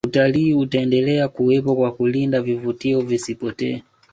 utalii utaendelea kuwepo kwa kulinda vivutio visipotee